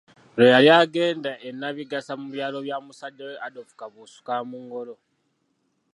Lwe yali agenda e Nnabigasa mu byalo bya musajja we Adolfu Kabuusu Kaamungolo.